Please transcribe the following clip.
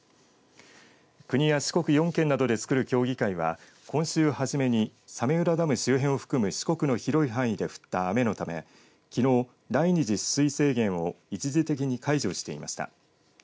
国や四国４県などでつくる協議会は今週初めに早明浦ダム周辺を含む四国の広い範囲で降った雨のためきのう、第二次取水制限を一時的に解除していました。